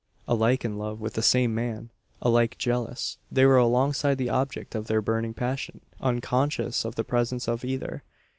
Alike in love with the same man alike jealous they were alongside the object of their burning passion unconscious of the presence of either!